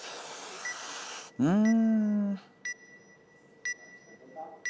うん。